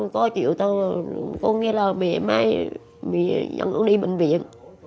khó chịu thôi con nghe là mẹ mai mẹ dẫn con đi bệnh viện